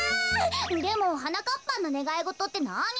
でもはなかっぱんのねがいごとってなに？